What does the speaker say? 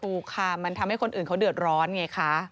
ถูกค่ะมันทำให้คนอื่นเขาเดือดร้อนไงคะ